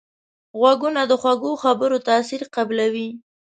غوږونه د خوږو خبرو تاثیر قبلوي